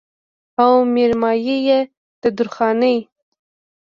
او مېرمايي يې د درخانۍ